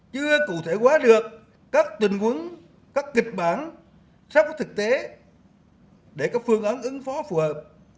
chưa cụ thể hóa được các tình huống các kịch bản sắp có thực tế để có phương án ứng phó phù hợp